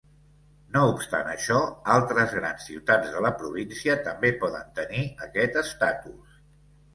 No obstant això, altres grans ciutats de la província també poden tenir aquest estatus.